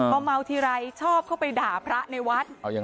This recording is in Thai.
พอเมาทีไรชอบเข้าไปด่าพระในวัด